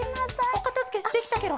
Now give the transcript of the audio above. おかたづけできたケロ。